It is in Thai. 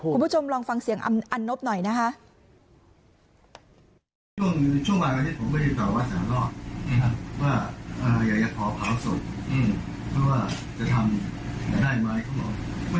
คุณผู้ชมลองฟังเสียงอันนบหน่อยนะคะ